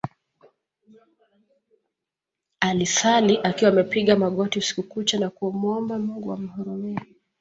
Alisali akiwa amepiga magoti usiku kucha na kumuomba Mungu amhurumie